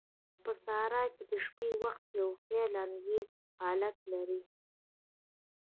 په صحراء کې د شپې وخت یو خیال انگیز حالت لري.